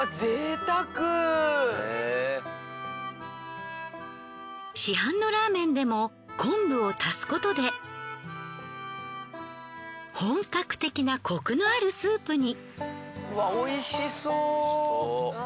更に市販のラーメンでも昆布を足すことで本格的なコクのあるスープに。